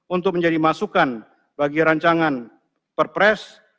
untuk menjadi masukan bagi rancangan perpres